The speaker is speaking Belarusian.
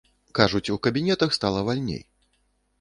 Кажуць, у кабінетах стала вальней.